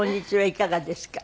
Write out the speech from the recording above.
いかがですか？